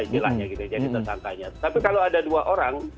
jadi tersangkanya tapi kalau ada dua orang